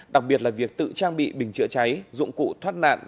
đặc biệt là việc tự trang bị bình chữa cháy dụng cụ thoát nạn